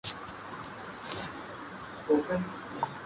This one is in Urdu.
میں اب اپنے صحافتی کیریئر کا دوبارہ آغاز کرونگی